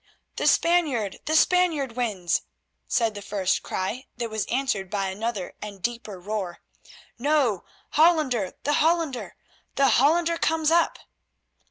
"The Spaniard, the Spaniard wins!" said the first cry that was answered by another and a deeper roar. "No, Hollander, the Hollander! The Hollander comes up!"